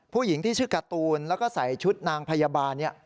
ผู้หญิงที่ชื่อการ์ตูนแล้วก็ใส่ชุดนางพยาบาล